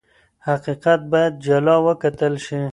حقیقت باید جلا وکتل شي.